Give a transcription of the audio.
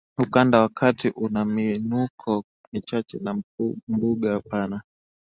Ukanda wa kati una miinuko michache na mbuga pana